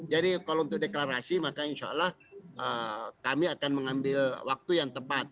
jadi kalau untuk deklarasi maka insya allah kami akan mengambil waktu yang tepat